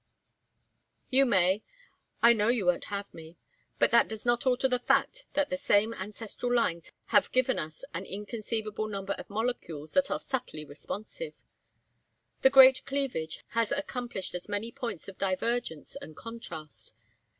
"You may. I know you won't have me. But that does not alter the fact that the same ancestral lines have given us an inconceivable number of molecules that are subtly responsive. The great cleavage has accomplished as many points of divergence and contrast.